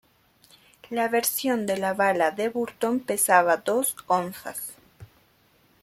La versión de la bala de Burton pesaba dos onzas.